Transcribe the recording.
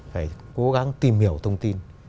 phải cố gắng tìm hiểu thông tin